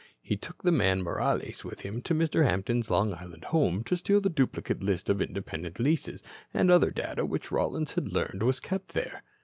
He took the man Morales with him to Mr. Hampton's Long Island home to steal the duplicate list of independent leases and other data which Rollins had learned was kept there."